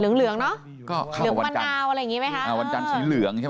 เหลืองใช่ไหมเน็ตแล้วสีเหลือง